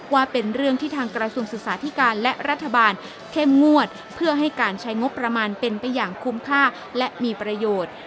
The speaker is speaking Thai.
ว่าเป็นเรื่องที่ทางกระทรวงศึกษาธิการและรัฐบาลเข้มงวดเพื่อให้การใช้งบประมาณเป็นไปอย่างคุ้มค่าและมีประโยชน์